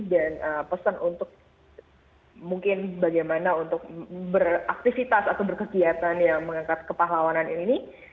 dan pesan untuk mungkin bagaimana untuk beraktivitas atau berkegiatan yang mengangkat kepahlawanan ini